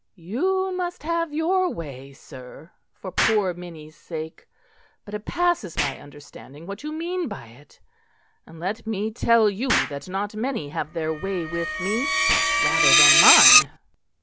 "You must have your way, sir, for poor Minnie's sake; but it passes my understanding what you mean by it. And let me tell you that not many have their way with me, rather than mine."